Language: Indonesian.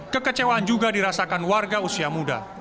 kekecewaan juga dirasakan warga usia muda